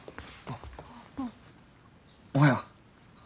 おはよう。